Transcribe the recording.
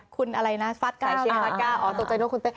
คุณอะไรนะฟัสก้าฟัสก้าตัวใจโน้นคุณเต้